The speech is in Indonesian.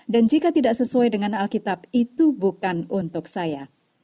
dan jika tidak sesuai dengan alkitab itu bukan untuk saya